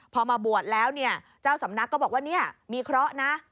พอมาบวชแล้วเนี่ยเจ้าสำนักก็บอกว่าเนี่ยมีเคราะห์นะ